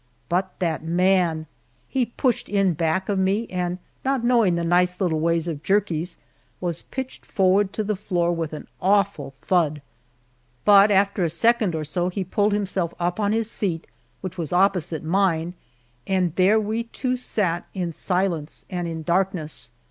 But that man! He pushed in back of me and, not knowing the nice little ways of jerkies, was pitched forward to the floor with an awful thud. But after a second or so he pulled himself up on his seat, which was opposite mine, and there we two sat in silence and in darkness.